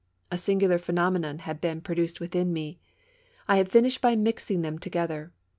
A singular phenomenon had been pro duced within me — I had finished by mixing them to gether.